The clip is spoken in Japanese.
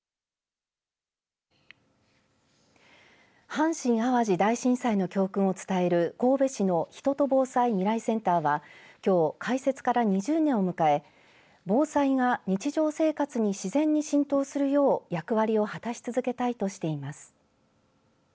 阪神・淡路大震災の教訓を伝える神戸市の人と防災未来センターはきょう、開設から２０年を迎え防災が日常生活に自然に浸透するよう役割を果たし続けたいとしています。